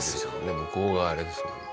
向こうがあれですもんね。